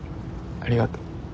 ありがとう。